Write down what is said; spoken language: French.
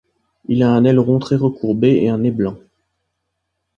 Il a un aileron très recourbé et un nez blanc.